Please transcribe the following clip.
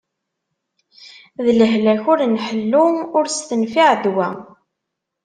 D lehlak ur nḥellu, ur s-tenfiɛ ddwa.